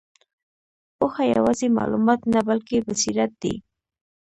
پوهه یوازې معلومات نه، بلکې بصیرت دی.